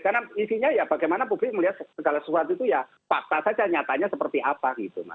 karena isinya ya bagaimana publik melihat segala sesuatu itu ya fakta saja nyatanya seperti apa gitu